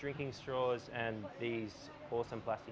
minum kacang dan bagi plastik yang luar biasa